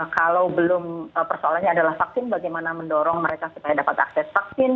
kalau belum persoalannya adalah vaksin bagaimana mendorong mereka supaya dapat akses vaksin